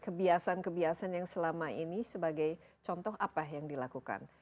kebiasaan kebiasaan yang selama ini sebagai contoh apa yang dilakukan